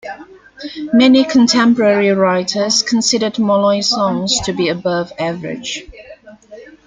Many contemporary writers considered Molloy's songs to be above average.